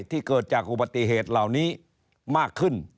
ที่เกิดจากอุบัติเหตุเหล่านี้มากขึ้น